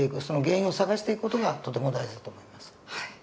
その原因を探していく事がとても大事だと思います。